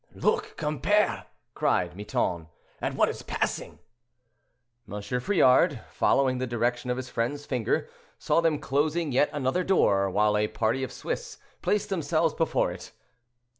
"Look, compere," cried Miton, "at what is passing." M. Friard, following the direction of his friend's finger, saw them closing yet another door, while a party of Swiss placed themselves before it.